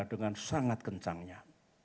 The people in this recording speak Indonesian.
dengan sangat kencangnya